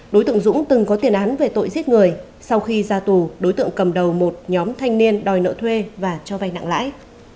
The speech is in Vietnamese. đối tượng dũng từng có tiền án về tội giết người sau khi ra tù đối tượng cầm đầu một nhóm thanh niên đòi nợ thuê và cho vay nặng lãi